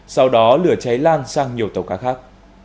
sau đó lửa cháy lan sang nhiều tàu cá khác